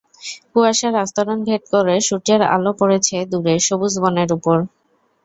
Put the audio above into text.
কুয়াশার আস্তরণ ভেদ করে সূর্যের আলো পড়েছে দূরে, সবুজ বনের ওপর।